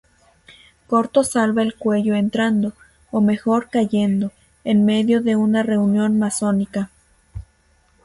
Corto salva el cuello entrando, o mejor cayendo, en medio de una reunión masónica.